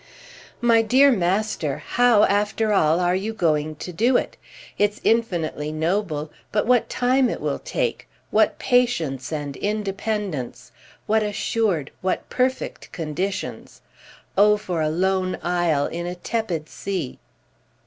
"My dear master, how, after all, are you going to do it? It's infinitely noble, but what time it will take, what patience and independence, what assured, what perfect conditions! Oh for a lone isle in a tepid sea!"